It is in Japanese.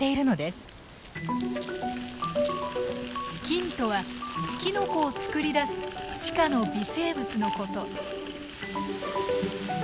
菌とはキノコを作り出す地下の微生物のこと。